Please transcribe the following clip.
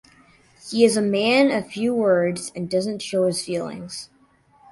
He is a man of few words and doesn't show his feelings.